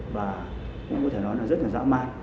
và cũng có thể nói là rất là dã man